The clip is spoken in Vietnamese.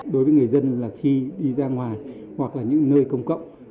đối với người dân là khi đi ra ngoài hoặc là những nơi công cộng